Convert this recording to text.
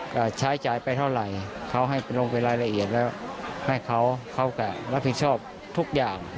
ก็ใช้จ่ายไปเท่าไหร่เขาให้ไปลงเป็นรายละเอียดแล้วให้เขาเขาก็รับผิดชอบทุกอย่าง